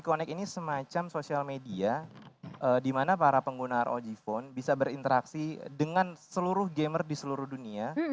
connect ini semacam social media di mana para pengguna rog phone bisa berinteraksi dengan seluruh gamer di seluruh dunia